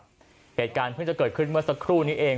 เกลี่ยดการเรียบผึ่งจะเกิดขึ้นเมื่อคู่นี้เอง